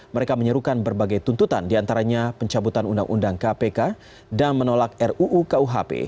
mereka menyerukan berbagai tuntutan diantaranya pencabutan undang undang kpk dan menolak ruu kuhp